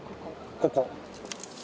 ここ。